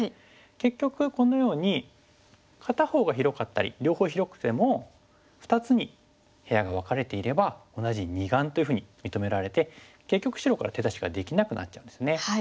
結局このように片方が広かったり両方広くても２つに部屋が分かれていれば同じ二眼というふうに認められて結局白から手出しができなくなっちゃうんですね。